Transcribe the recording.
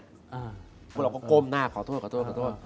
เหมือนกับก็ก้มหน้าขอโทษ